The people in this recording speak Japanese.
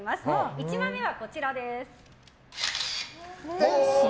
１枚目はこちらです。